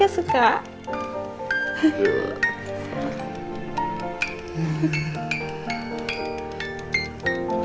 aku suka banget pak